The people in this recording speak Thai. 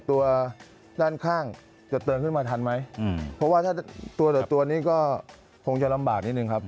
ตัวด้านข้างจะเติมขึ้นมาทันไหมอืมเพราะว่าถ้าตัวเหลือตัวนี้ก็คงจะลำบากนิดนึงครับ